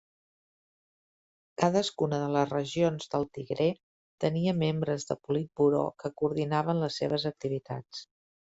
Cadascuna de les regions del Tigré tenia membres de politburó que coordinaven les seves activitats.